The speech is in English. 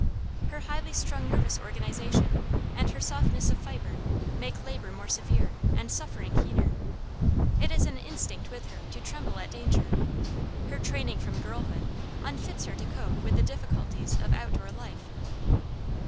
Her highly strung nervous organization and her softness of fiber make labor more severe and suffering keener. It is an instinct with her to tremble at danger; her training from girlhood unfits her to cope with the difficulties of outdoor life.